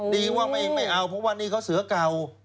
ดีว่าไม่เอาเพราะว่านี่เขาเสือเก่า